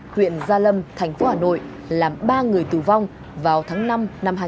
huyện gia lâm thành phố hà nội làm ba người tử vong vào tháng năm năm hai nghìn hai mươi